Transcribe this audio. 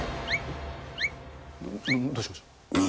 どうしました？